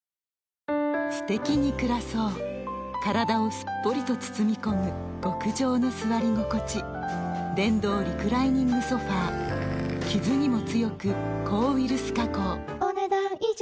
すてきに暮らそう体をすっぽりと包み込む極上の座り心地電動リクライニングソファ傷にも強く抗ウイルス加工お、ねだん以上。